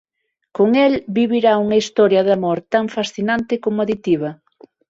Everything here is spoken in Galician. Con el vivirá unha historia de amor tan fascinante como aditiva.